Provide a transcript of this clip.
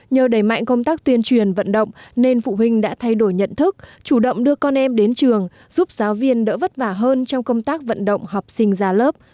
nhờ đẩy mạnh công tác tuyên truyền vận động nên phụ huynh đã thay đổi nhận thức chủ động đưa con em đến trường giúp giáo viên đỡ vất vả hơn trong công tác vận động học sinh ra lớp